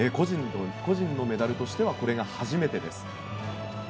個人のメダルとしてはこれが初めてです。